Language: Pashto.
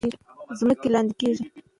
ځمکې لاندې کیږي.